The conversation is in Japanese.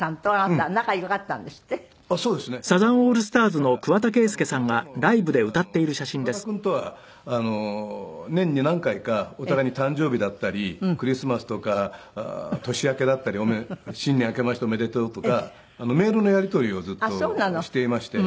この間も実は桑田君とは年に何回かお互いに誕生日だったりクリスマスとか年明けだったり新年明けましておめでとうとかメールのやり取りをずっとしていまして。